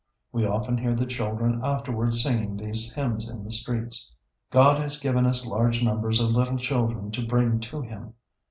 We often hear the children afterward singing these hymns in the streets.... God has given us large numbers of little children to bring to Him.